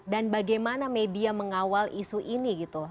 dan bagaimana media mengawal isu ini gitu